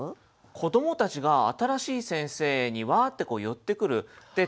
子どもたちが新しい先生にワーッて寄ってくる。